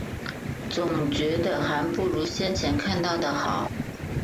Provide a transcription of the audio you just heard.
总觉得还不如先前看到的好